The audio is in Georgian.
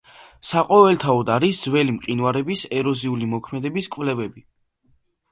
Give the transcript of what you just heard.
საყოველთაოდ არის ძველი მყინვარების ეროზიული მოქმედების კვლები.